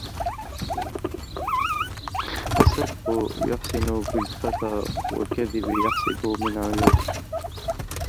الصدق يحسن بالفتى والكذب يحسب من عيوبه